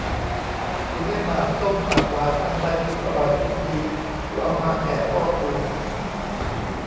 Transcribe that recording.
กูได้หมากส้มหมากหวาน อันใดกินอร่อยกินดี กูเอามาแก่พ่อกู